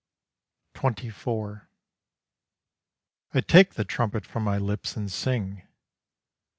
24 I take the trumpet from my lips and sing.